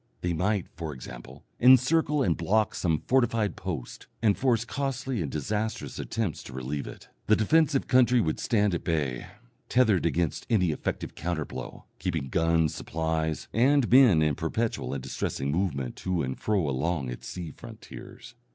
They might, for example, encircle and block some fortified post, and force costly and disastrous attempts to relieve it. The defensive country would stand at bay, tethered against any effective counter blow, keeping guns, supplies, and men in perpetual and distressing movement to and fro along its sea frontiers.